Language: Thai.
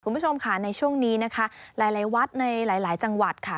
คุณผู้ชมค่ะในช่วงนี้นะคะหลายวัดในหลายจังหวัดค่ะ